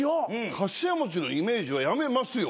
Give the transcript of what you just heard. かしわ餅のイメージはやめますよ。